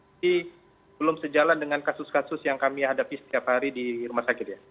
tapi belum sejalan dengan kasus kasus yang kami hadapi setiap hari di rumah sakit ya